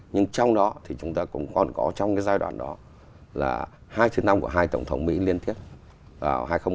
nhưng trong đó thì chúng ta cũng còn có trong cái giai đoạn đó là hai chuyến thăm của hai tổng thống mỹ liên tiếp vào hai nghìn một mươi